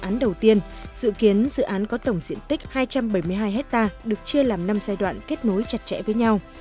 dự án đầu tiên dự kiến dự án có tổng diện tích hai trăm bảy mươi hai hectare được chia làm năm giai đoạn kết nối chặt chẽ với nhau